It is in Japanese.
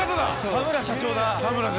田村社長。